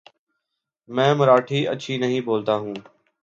میں مراٹھی اچھی نہیں بولتا ہوں ـ